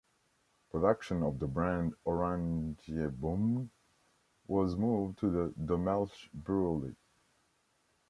Production of the brand Oranjeboom was moved to the Dommelsch brewery.